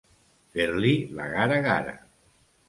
Fer-li la gara-gara.